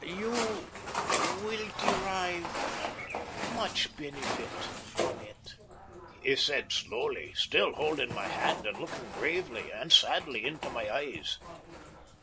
"You will derive much benefit from it," he said slowly, still holding my hand and looking gravely and sadly into my eyes.